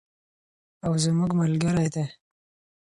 او زموږ ملګری دی.